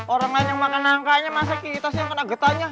orang orang yang makan nangka masih kiritas yang kena getahnya